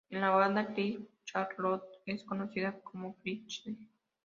En la banda Client Charlotte es conocida como "Client C".